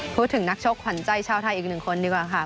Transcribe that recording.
พูดถึงนักชกขวัญใจชาวไทยอีกหนึ่งคนดีกว่าค่ะ